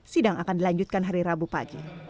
sidang akan dilanjutkan hari rabu pagi